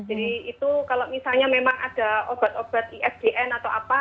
jadi itu kalau misalnya memang ada obat obat isdn atau apa